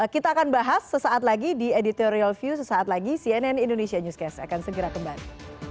kita akan bahas sesaat lagi di editorial view sesaat lagi cnn indonesia newscast akan segera kembali